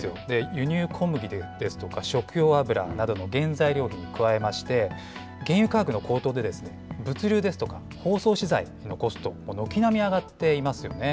輸入小麦ですとか食用油などの原材料費に加えまして、原油価格の高騰で物流ですとか、包装資材のコスト、軒並み上がっていますよね。